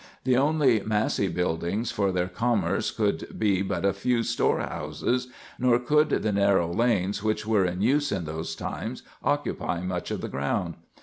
The only massy buildings for their commerce could be but a few store houses, nor could the narrow lanes, which were in use in those times, occupy much of the ground.